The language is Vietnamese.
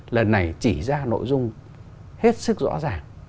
lần này chỉ ra nội dung hết sức rõ ràng